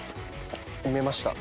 埋めました。